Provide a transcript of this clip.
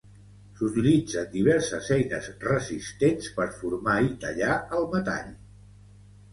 S'utilitzen diverses eines resistents per formar i tallar el metall.